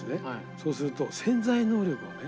そうすると潜在能力をね